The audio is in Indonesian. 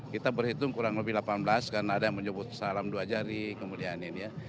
kita berhitung kurang lebih delapan belas karena ada yang menyebut salam dua jari kemudian ini ya